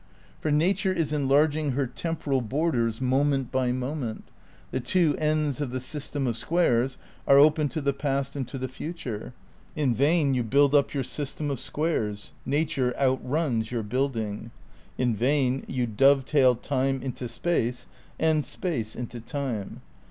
For nature is enlarging her temporal borders moment by moment ; the two ends of the system of squares are open to the past and to the future. In vain you build up your system of squares; nature outruns your building. In vain you dovetail time into space and space into time.